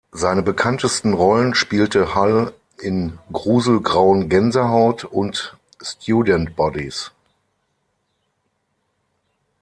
Seine bekanntesten Rollen spielte Hull in "Grusel, Grauen, Gänsehaut" und "Student Bodies".